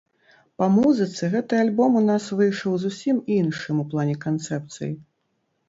Па музыцы гэты альбом у нас выйшаў зусім іншым у плане канцэпцыі.